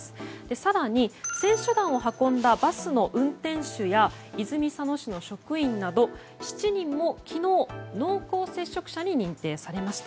更に、選手団を運んだバスの運転手や泉佐野市の職員など７人も昨日、濃厚接触者に認定されました。